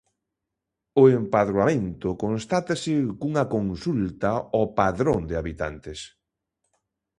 O empadroamento constátase cunha consulta ó Padrón de habitantes.